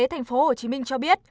sở y tế thành phố hồ chí minh cho biết